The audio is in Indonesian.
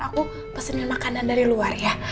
aku pesennya makanan dari luar ya